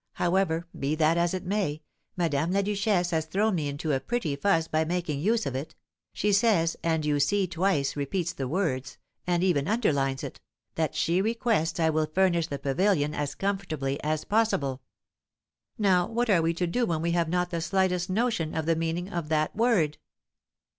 However, be that as it may, Madame la Duchesse has thrown me into a pretty fuss by making use of it; she says, and you see twice repeats the words, and even underlines it, 'that she requests I will furnish the pavilion as comfortably as possible.' Now what are we to do when we have not the slightest notion of the meaning of that word?"